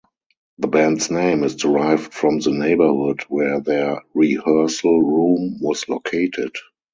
The band's name is derived from the neighbourhood where their rehearsal room was located.